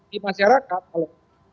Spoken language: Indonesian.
di masyarakat kalau